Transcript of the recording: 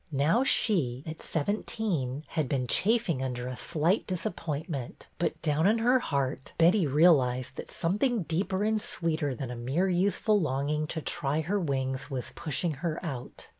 Now she, at seventeen, had been chafing under a slight disappointment; but down in her heart Betty realized that something deeper and sweeter than a mere youthful longing to try her wings was pushing her out.